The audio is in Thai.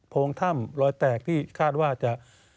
ถ้ำรอยแตกที่คาดว่าจะ